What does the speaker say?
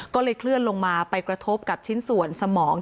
ก็เลยเคลื่อนลงมาไปกระทบกับชิ้นส่วนสมอง